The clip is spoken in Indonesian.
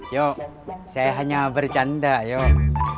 yuk saya hanya bercanda yuk